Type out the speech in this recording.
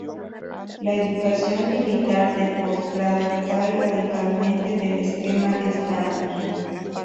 La educación militar de postgrado cae radicalmente del esquema estándar.